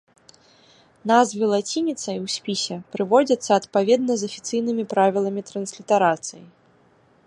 Назвы лацініцай у спісе прыводзяцца адпаведна з афіцыйнымі правіламі транслітарацыі.